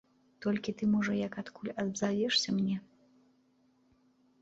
Толькі ты, можа, як адкуль абзавешся мне?